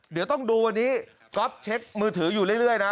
เดี๋ยวต้องดูวันนี้ก๊อฟเช็คมือถืออยู่เรื่อยนะ